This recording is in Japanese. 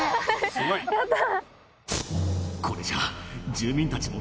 やった！